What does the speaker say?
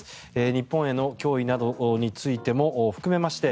日本への脅威などについても含めまして